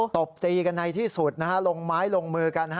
ตบตีกันในที่สุดลงไม้ลงมือกัน